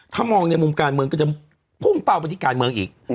ถ้ามองในมุมการเมืองก็จะพุ่งเป้าไปที่การเมืองอีก